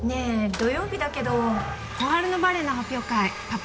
土曜日だけど心春のバレエの発表会パパ